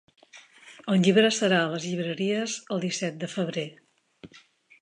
El llibre serà a les llibreries el disset de febrer.